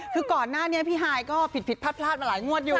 คือก่อนหน้านี้พี่ฮายก็ผิดพลาดมาหลายงวดอยู่